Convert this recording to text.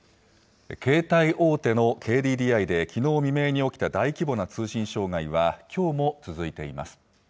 携帯大手のＫＤＤＩで、きのう未明に起きた大規模な通信障害は、きょうも続いています。